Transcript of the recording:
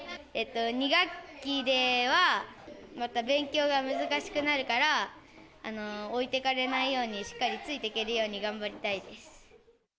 ２学期では、また勉強が難しくなるから、置いてかれないようにしっかりついていけるように頑張りたいです。